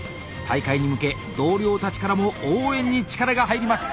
大会に向け同僚たちからも応援に力が入ります。